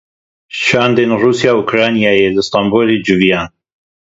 Şandên Rûsya û Ukraynayê li Stenbolê civiyan.